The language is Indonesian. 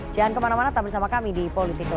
jangan kemana mana tetap bersama kami di political show